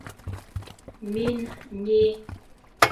Мин ни...